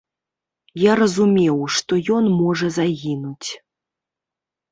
Я разумеў, што ён можа загінуць.